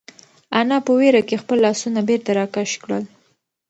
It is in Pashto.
انا په وېره کې خپل لاسونه بېرته راکش کړل.